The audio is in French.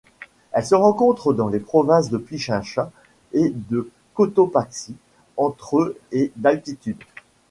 Elle se rencontre dans les provinces de Pichincha et de Cotopaxi entre et d'altitude.